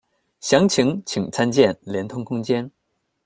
详情请参见连通空间。